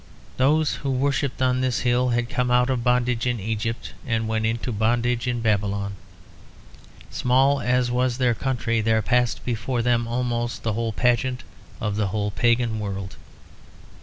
Those who worshipped on this hill had come out of bondage in Egypt and went into bondage in Babylon; small as was their country, there passed before them almost the whole pageant of the old pagan world.